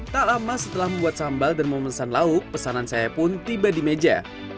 tak lama setelah membuat sambal dan memesan lauk pesanan saya pun tiba di meja